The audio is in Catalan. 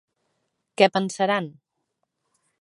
Que pensaran?